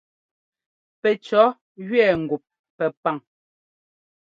Pɛcʉ̈ jʉɛ ŋgup Pɛpaŋ.